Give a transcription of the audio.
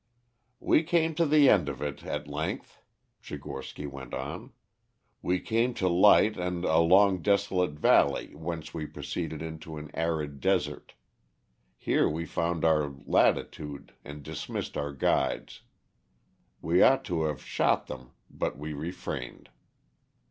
"We came to the end of it at length," Tchigorsky went on. "We came to light and a long desolate valley whence we proceeded into an arid desert. Here we found our latitude and dismissed our guides. We ought to have shot them, but we refrained.